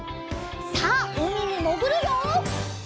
さあうみにもぐるよ！